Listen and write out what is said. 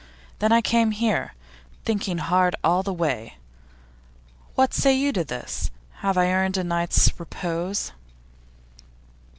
Then I came here, thinking hard all the way. What say you to this? Have I earned a night's repose?